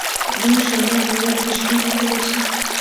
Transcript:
• ځینې شاعران یوازې د شپې لیکلی شي.